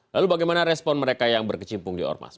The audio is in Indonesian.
lalu bagaimana respon mereka yang berkecimpung di ormas